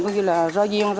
có gì là do duyên